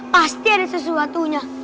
pasti ada sesuatunya